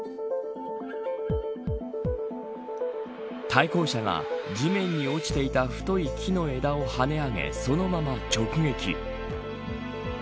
対向車が地面に落ちていた太い木の枝を跳ね上げそのまま直撃。